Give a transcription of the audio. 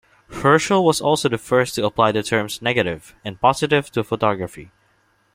Herschel was also the first to apply the terms "negative" and "positive" to photography.